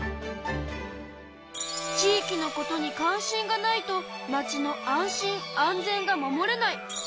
地域のことに関心がないとまちの安心・安全が守れない。